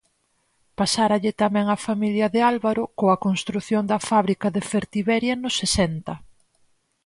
Pasáralle tamén á familia de Álvaro coa construción da fábrica de Fertiveria nos sesenta.